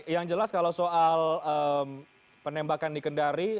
yang jelas kalau soal penembakan di kendari